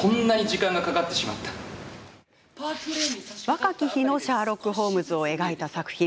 若き日のシャーロック・ホームズを描いた作品。